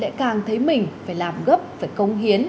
lẽ càng thấy mình phải làm gấp phải công hiến